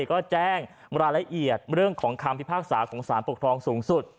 ก็แจ้งรายละเอียดเรื่องของคำพิพากษาของสารปกครองสูงสุด